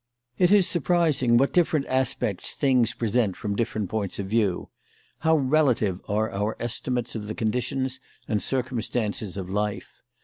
It is surprising what different aspects things present from different points of view; how relative are our estimates of the conditions and circumstances of life.